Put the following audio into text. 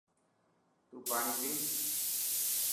تون پاڻي پئس.